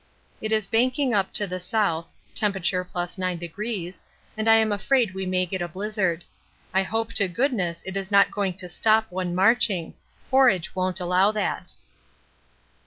It is banking up to the south (T. +9°) and I'm afraid we may get a blizzard. I hope to goodness it is not going to stop one marching; forage won't allow that.